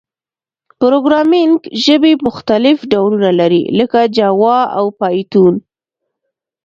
پروګرامینګ ژبي مختلف ډولونه لري، لکه جاوا او پایتون.